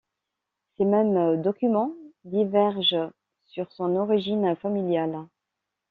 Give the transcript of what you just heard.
Ces mêmes documents divergent sur son origine familiale.